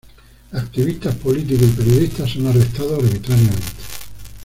Activistas políticos y periodistas son arrestados arbitrariamente.